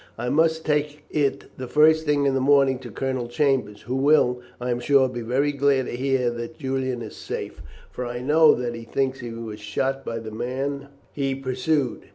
I must take it the first thing in the morning to Colonel Chambers, who will, I am sure, be very glad to hear that Julian is safe, for I know that he thinks he was shot by the man he pursued.